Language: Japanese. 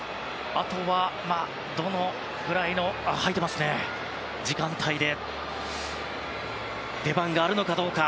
あとは、どのくらいの時間帯で出番があるのかどうか。